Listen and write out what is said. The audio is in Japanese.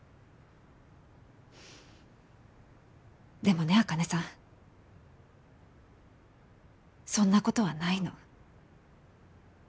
でもね茜さんそんな事はないの。